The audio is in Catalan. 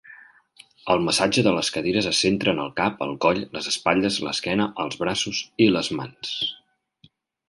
El massatge de les cadires es centra en el cap, el coll, les espatlles, l'esquena, els braços i les mans.